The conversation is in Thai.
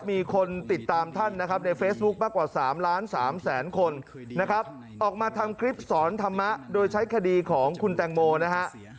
มีคนติดตามท่านนะครับในเฟซบุ๊คมากกว่า๓ล้าน๓แสนคนนะครับออกมาทำคลิปสอนธรรมะโดยใช้คดีของคุณแตงโมนะฮะ